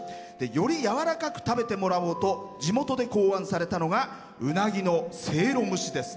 よりやわらかく食べてもらおうと地元で考案されたのがうなぎのせいろ蒸しです。